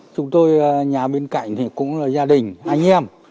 chúng tôi nhà bên cạnh thì cũng là gia đình anh em